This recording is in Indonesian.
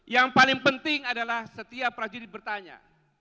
yang paling penting adalah setiap prajurit bertanya